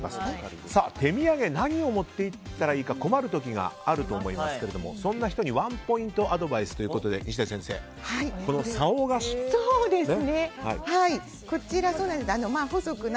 手土産何を持って行ったらいいか困る時があると思いますがそんな人にワンポイントアドバイスということで西出先生、棹菓子というものが。